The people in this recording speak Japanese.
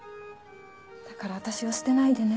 だから私を捨てないでね